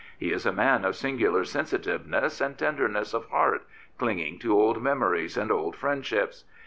He is a man of singular sensitiveness and tenderness of heart, clinging to old memories and old friendships.